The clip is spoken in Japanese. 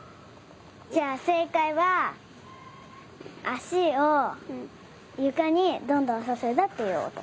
じゃあせいかいはあしをゆかにどんどんさせたっていうおと。